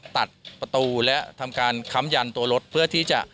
ตัดประตูและทำการค้ำยันตัวรถเพื่อที่จะ